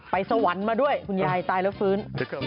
สวรรค์มาด้วยคุณยายตายแล้วฟื้น